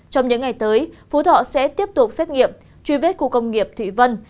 trong những ngày tới phú thọ sẽ tiếp tục xét nghiệm truy vết khu công nghiệp thụy vân